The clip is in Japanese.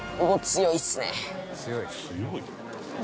「強い？」